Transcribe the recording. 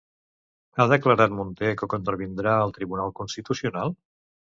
Ha declarat Munté que contravindrà al Tribunal Constitucional?